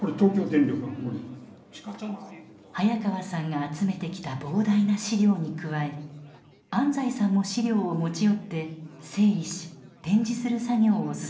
早川さんが集めてきた膨大な資料に加え安斎さんも資料を持ち寄って整理し展示する作業を進めてきました。